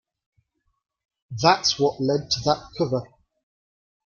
That's what led to that cover.